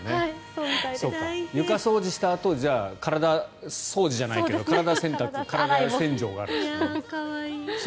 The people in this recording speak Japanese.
床掃除したあと体掃除じゃないけど体洗濯、体洗浄があるんですね。